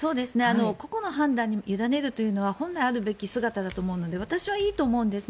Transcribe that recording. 個々の判断に委ねるというのは本来あるべき姿だと思うので私はいいと思うんです。